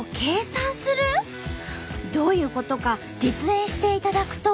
どういうことか実演していただくと。